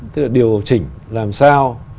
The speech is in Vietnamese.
thế là điều chỉnh làm sao